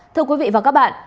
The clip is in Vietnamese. thưa quý vị và các bạn